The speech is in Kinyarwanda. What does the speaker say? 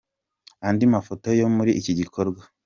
Andi Mafoto yo muri iki gikorwa.